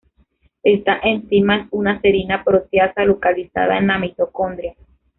Esta enzima es una serina proteasa localizada en la mitocondria.